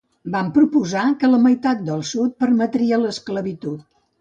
Van proposar que la meitat sud permetria l'esclavitud.